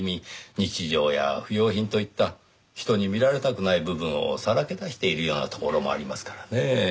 日常や不用品といった人に見られたくない部分をさらけ出しているようなところもありますからねぇ。